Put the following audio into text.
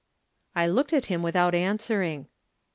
I looked at him without answering.